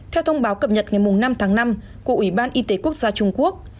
theo thông báo cập nhật ngày năm tháng năm của ủy ban y tế quốc gia trung quốc